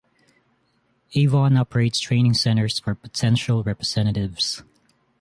Avon operates training centers for potential representatives.